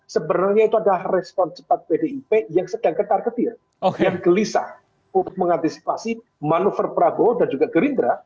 sebenarnya itu adalah respon cepat pdip yang sedang ketar ketir yang gelisah untuk mengantisipasi manuver prabowo dan juga gerindra